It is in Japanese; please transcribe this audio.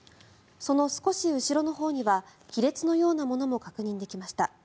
その少し後ろのほうには亀裂のようなものも確認できました。